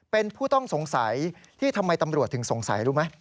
เป็นผู้ต้องสงสัยที่ทำไมตำรวจถึงสงสัยรู้ไหม